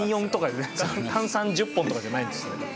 単三１０本とかじゃないんですね。